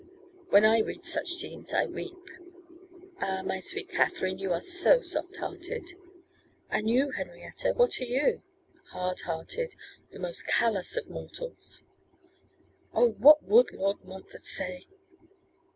When I read such scenes, I weep.' 'Ah, my sweet Katherine, you are soft hearted.' 'And you, Henrietta, what are you?' 'Hard hearted. The most callous of mortals.' 'Oh, what would Lord Montfort say?